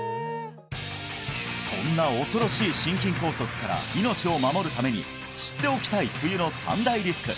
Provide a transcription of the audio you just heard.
そんな恐ろしい心筋梗塞から命を守るために知っておきたい冬の３大リスク